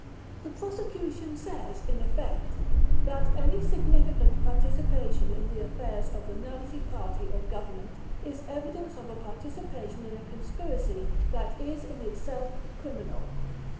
The Prosecution says, in effect, that any significant participation in the affairs of the Nazi Party or Government is evidence of a participation in a conspiracy that is in itself criminal.